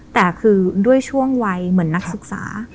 แต่คือด้วยช่วงวัยเหมือนนักศึกษา